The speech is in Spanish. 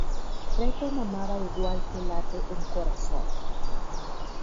Breton amaba igual que late un corazón.